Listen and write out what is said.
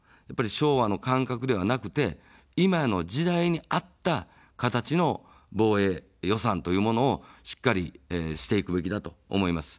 昭和の感覚ではなくて、今の時代に合った形の防衛予算というものをしっかりしていくべきだと思います。